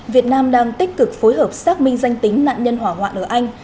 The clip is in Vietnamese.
việt nam đang tích cực phối hợp xác minh danh tính nạn nhân hỏa hoạn ở anh